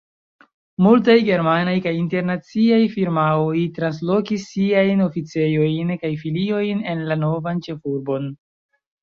Multaj germanaj kaj internaciaj firmaoj translokis siajn oficejojn kaj filiojn en la novan ĉefurbon.